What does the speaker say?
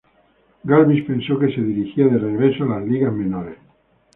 Galvis pensó que se dirigía de regreso a las ligas menores.